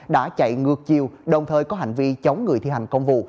đã chạy ngược chiều đồng thời có hành vi chống người thi hành công vụ